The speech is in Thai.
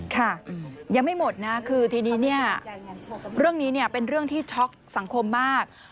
ค่ะยังไม่หมดนะคือทีนี้เนี่ยเรื่องนี้เป็นเรื่องที่ช็อกสังคมมาก